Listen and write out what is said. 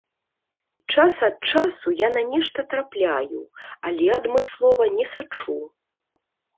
Час ад часу я на нешта трапляю, але адмыслова не сачу!